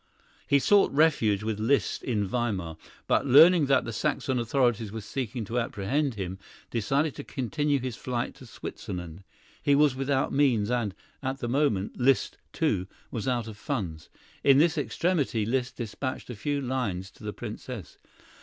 He sought refuge with Liszt in Weimar, but, learning that the Saxon authorities were seeking to apprehend him, decided to continue his flight to Switzerland. He was without means and, at the moment, Liszt, too, was out of funds. In this extremity, Liszt despatched a few lines to the Princess.